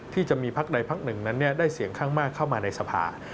ที่จะมีพักใดพักหนึ่งนั้นได้เสียงข้างมากเข้ามาในสภา